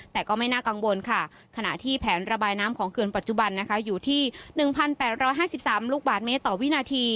แต่ก็ไม่น่ากังวลค่ะขณะที่แผนระบายน้ำของเขื่อนปัจจุบันนะคะอยู่ที่๑๘๕๓ลูกบาทเมตรต่อวินาที